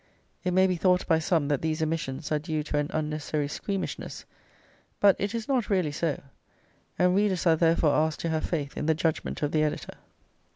It may be thought by some that these omissions are due to an unnecessary squeamishness, but it is not really so, and readers are therefore asked to have faith in the judgment of the editor.